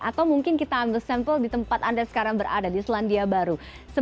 atau mungkin kita ambil sampel di tempat anda sekarang berada di selandia baru